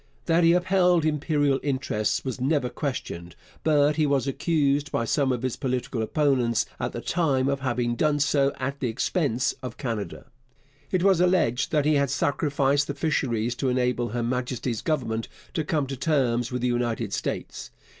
That he upheld Imperial interests was never questioned, but he was accused by some of his political opponents at the time of having done so at the expense of Canada. It was alleged that he had sacrificed the fisheries to enable Her Majesty's government to come to terms with the United States.